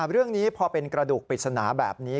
เรื่องนี้พอเป็นกระดูกปริศนาแบบนี้